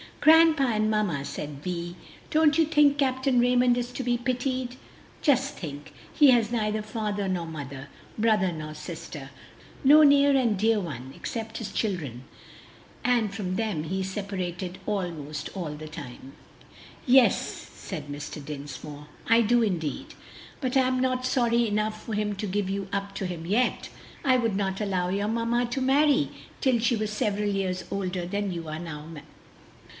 "Grandpa and mamma," said Vi, "don't you think Capt. Raymond is to be pitied? Just think! he has neither father nor mother, brother nor sister! no near and dear one except his children; and from them he is separated almost all the time." "Yes," said Mr. Dinsmore, "I do indeed! but am not sorry enough for him to give you up to him yet. I would not allow your mamma to marry till she was several years older than you are now."